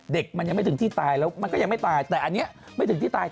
เด็กมันยังไม่ถึงที่ตายแล้วมันก็ยังไม่ตายแต่อันนี้ไม่ถึงที่ตาย